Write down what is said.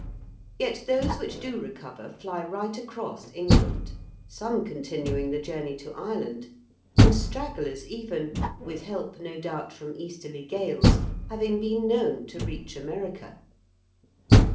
Yet those which do recover fly right across England, some continuing the journey to Ireland, and stragglers even, with help no doubt from easterly gales, having been known to reach America.